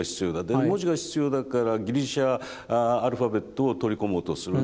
で文字が必要だからギリシャアルファベットを取り込もうとする。